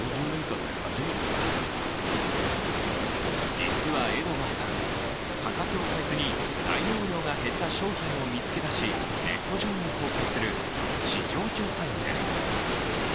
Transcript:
実はエドガーさん、価格を変えずに内容量が減った商品を見つけ出し、ネット上に公開する市場調査員です。